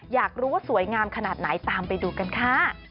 อยากรู้ว่าสวยงามขนาดไหนตามไปดูกันค่ะ